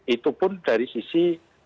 itu pun dari sisi